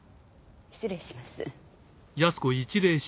失礼します。